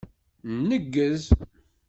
Nneggez.